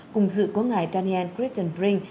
cùng dự có ngài daniel christian brink